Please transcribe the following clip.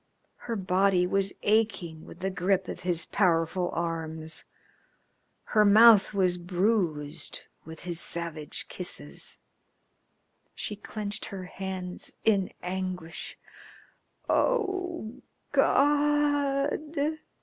Her body was aching with the grip of his powerful arms, her mouth was bruised with his savage kisses. She clenched her hands in anguish. "Oh, God!"